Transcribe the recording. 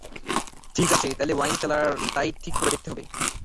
ঠিক আছে, তাহলে ওয়াইন সেলারটাই ঠিক করে দেখতে হবে।